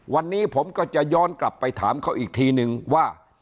วันนี้ผมก็จะย้อนกลับไปถามเขาอีกทีนึงว่า